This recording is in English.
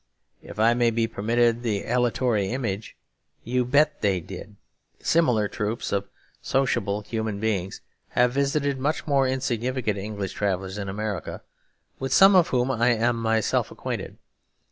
If I may be permitted the aleatory image, you bet they did. Similar troops of sociable human beings have visited much more insignificant English travellers in America, with some of whom I am myself acquainted.